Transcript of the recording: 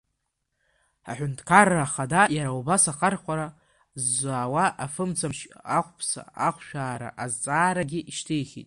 Аҳәынҭқарра Ахада, иара убас, ахархәара зауа афымцамч ахәԥса ахшәаара азҵаарагьы шьҭихит.